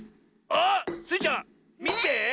あっ！スイちゃんみて。